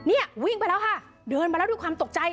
นี่วิ่งไปแล้วค่ะเดินมาแล้วด้วยความตกใจ